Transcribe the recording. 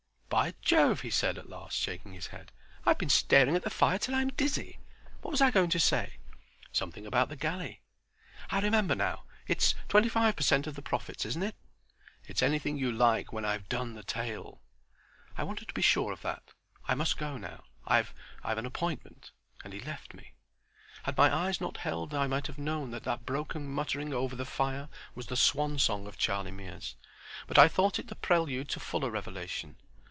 "By Jove!" he said, at last, shaking his head. "I've been staring at the fire till I'm dizzy. What was I going to say?" "Something about the galley." "I remember now. It's 25 per cent. of the profits, isn't it?" "It's anything you like when I've done the tale." "I wanted to be sure of that. I must go now. I've, I've an appointment." And he left me. Had my eyes not been held I might have known that that broken muttering over the fire was the swan song of Charlie Mears. But I thought it the prelude to fuller revelation.